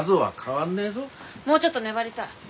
もうちょっと粘りたい。